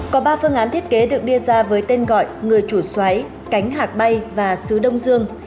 có ba phương án thiết kế được đưa ra với tên gọi người chủ xoái cánh hạc bay và xứ đông dương